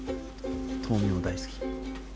豆苗大好き。